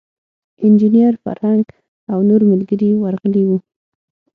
انجینیر فرهنګ او نور ملګري ورغلي وو.